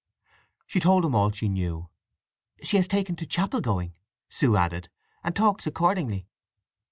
She told him all she knew. "She has taken to chapel going," Sue added; "and talks accordingly."